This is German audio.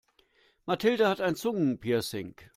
Mathilde hat ein Zungenpiercing.